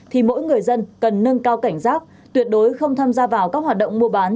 thì mỗi người dân cần nâng cao cảnh giác tuyệt đối không tham gia vào các hoạt động mua bán